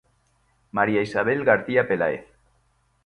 María Isabel García Peláez.